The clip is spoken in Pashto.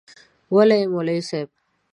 وله یی مولوی صیب